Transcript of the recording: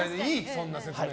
そんな説明。